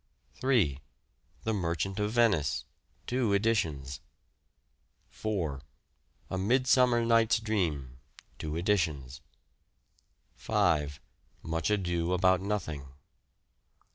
3. The Merchant of Venice (2 editions). 4. A Midsummer Night's Dream (2 editions). 5. Much Ado About Nothing.